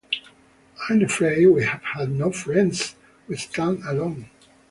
I am afraid we have had no friends ... We stand alone.